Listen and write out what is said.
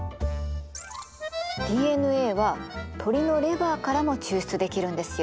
ＤＮＡは鶏のレバーからも抽出できるんですよ。